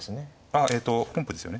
あえっと本譜ですよね。